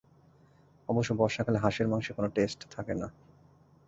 অবশ্য বর্ষাকালে হাঁসের মাংসে কোনো টেস্ট থাকে না।